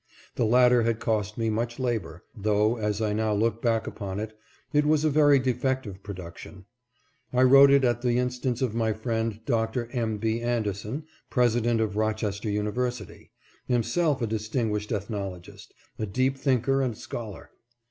The latter had cost me much labor, though, as I now look back upon it, it was a very defect ive production. I wrote it at the instance of my friend Doctor M. B. Anderson, President of Rochester Univer sity, himself a distinguished ethnologist, a deep thinker and scholar.